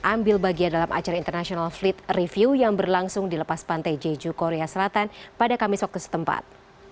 ambil bagian dalam acara international fleet review yang berlangsung di lepas pantai jeju korea selatan pada kamis waktu setempat